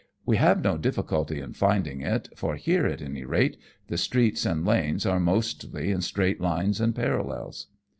We have no difficulty in finding it, for here, at any rate, the streets and lanes are mostly in straight lines and parallels.